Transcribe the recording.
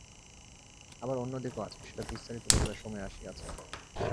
আবার অন্য দিকও আছে, সেটা বিস্তারিত বলিবার সময় আসিয়াছে।